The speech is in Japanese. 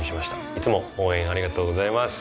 いつも応援ありがとうございます。